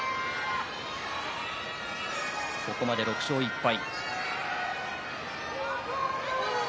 ここまで６勝１敗。